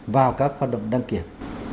vào các hoạt động đăng kiểm